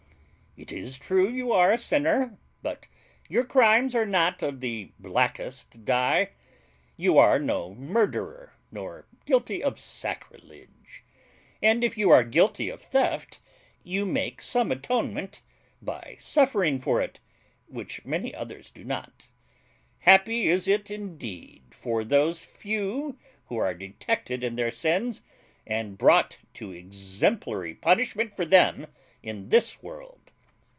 It is true you are a sinner; but your crimes are not of the blackest dye: you are no murderer, nor guilty of sacrilege. And, if you are guilty of theft, you make some atonement by suffering for it, which many others do not. Happy is it indeed for those few who are detected in their sins, and brought to exemplary punishment for them in this world.